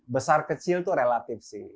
besar kecil itu relatif sih